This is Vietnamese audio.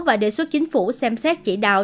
và đề xuất chính phủ xem xét chỉ đạo